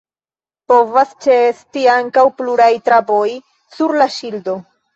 Povas ĉeesti ankaŭ pluraj traboj sur la ŝildo.